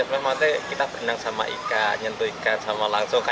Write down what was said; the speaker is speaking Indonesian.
memang kita berenang sama ikan nyentuh ikan sama langsung